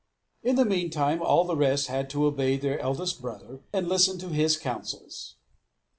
In the meantime all the rest had to obey their eldest brother, and listen to his counsels.